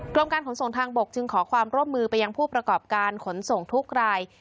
กรมการขนส่งทางบกจึงขอความร่วมมือไปยังผู้ประกอบการขนส่งทุกราย